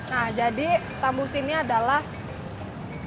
nah jadi tambus ini adalah usus sapi yang isinya